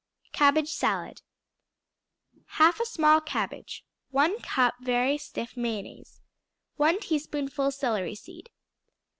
Cabbage Salad 1/2 a small cabbage. 1 cup very stiff mayonnaise. 1 teaspoonful celery seed.